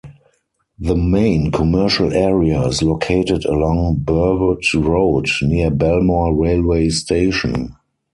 The main commercial area is located along Burwood Road, near Belmore railway station.